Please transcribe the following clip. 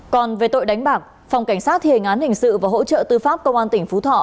còn về tội đánh bạc phòng cảnh sát thề ngán hình sự và hỗ trợ tư pháp công an tỉnh phú thọ